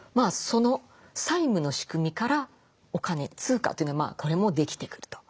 その債務の仕組みからお金通貨というのがこれもできてくると。